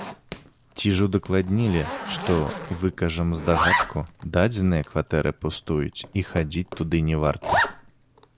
Ці ж удакладнілі, што, выкажам здагадку, дадзеныя кватэры пустуюць, і хадзіць туды не варта.